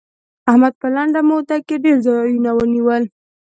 احمد په لنډه موده کې ډېر ځايونه ونيول.